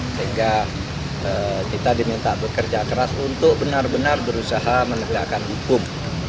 sehingga kita diminta bekerja keras untuk benar benar berusaha menegakkan hukum